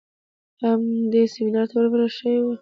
هم دې سمينار ته ور بلل شوى و.